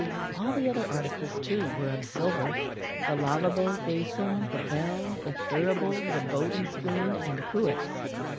All the other articles, too, were of silver: the lavabo basin, the bell, the thurible, the boat and spoon, and the cruets.